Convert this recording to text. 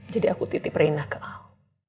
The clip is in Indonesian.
jadi aku titip reina ke al